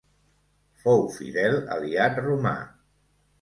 Fou fidel aliat romà.